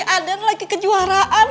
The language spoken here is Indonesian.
aden lagi kejuaraan